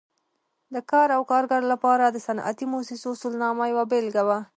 د کار او کارګر لپاره د صنعتي مؤسسو اصولنامه یوه بېلګه وه.